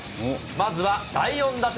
まずは第４打席。